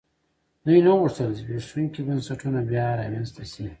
دوی نه غوښتل زبېښونکي بنسټونه بیا رامنځته شي.